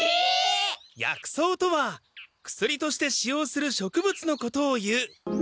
薬草とは薬として使用する植物のことをいう。